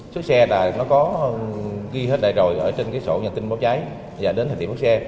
sức xe là nó có ghi hết đại rồi ở trên cái sổ nhận tin báo cháy và đến thời điểm bắt xe